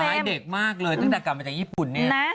คล้ายเด็กมากเลยตั้งแต่กลับมาจากญี่ปุ่นเนี่ย